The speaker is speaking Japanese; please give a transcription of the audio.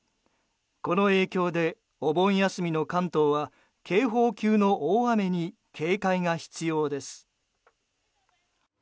この影響でお盆休みの関東は警報級の大雨に警戒が必要です。